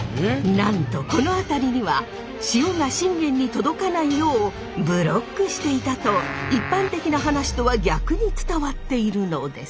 なんとこの辺りには塩が信玄に届かないようブロックしていたと一般的な話とは逆に伝わっているのです。